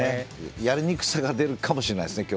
やりにくさは出るかもしれないですね。